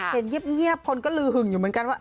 เห็นเงียบคนก็ลือหึงอยู่เหมือนกันว่า